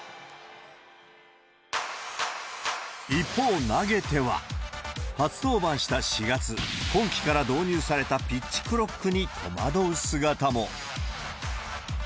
一方、投げては、初登板した４月、今季から導入されたピッチクロックに戸惑う姿も。